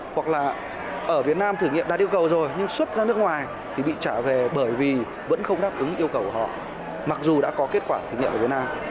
hoặc là ở việt nam thử nghiệm đạt yêu cầu rồi nhưng xuất ra nước ngoài thì bị trả về bởi vì vẫn không đáp ứng yêu cầu của họ mặc dù đã có kết quả thử nghiệm ở việt nam